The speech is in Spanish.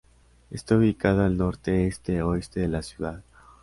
Está ubicada al norte-este-oeste de la ciudad.